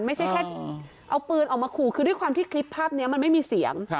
ไม่ใช่แค่เอาปืนออกมาขู่คือด้วยความที่คลิปภาพนี้มันไม่มีเสียง